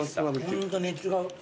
ホントに違う。